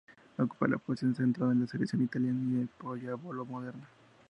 Ocupa la posición de central en la selección italiana y en el Pallavolo Modena.